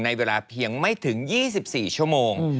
ในเวลาเพียงไม่ถึง๒๔ชั่วโมง